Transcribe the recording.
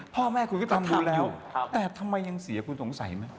พ่อแม่คุณก็ทำบุญแล้วแต่ทำไมยังเสียคุณสงสัยไหม